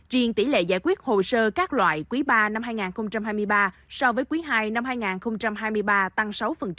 riêng tỷ lệ giải quyết hồ sơ các loại quý ba năm hai nghìn hai mươi ba so với quý ii năm hai nghìn hai mươi ba tăng sáu